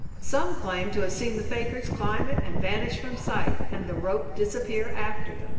Some claim to have seen the fakirs climb up it and vanish from sight, and the rope disappear after them."